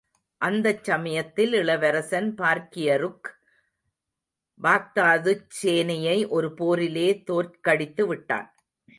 அந்தச் சமயத்தில் இளவரசன் பார்க்கியருக், பாக்தாதுச் சேனையை ஒரு போரிலே தோற்கடித்து விட்டான்.